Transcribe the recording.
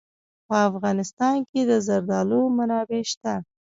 په افغانستان کې د زردالو منابع شته.